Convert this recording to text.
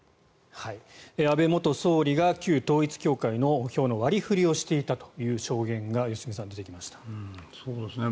安倍元総理が旧統一教会の票の割り振りをしていたという証言が良純さん、出てきました。